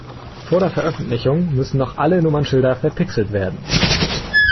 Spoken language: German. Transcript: Vor der Veröffentlichung müssen noch alle Nummernschilder verpixelt werden.